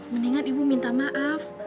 mendingan ibu minta maaf